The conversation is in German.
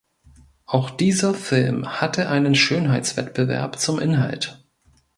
Auch dieser Film hatte einen Schönheitswettbewerb zum Inhalt.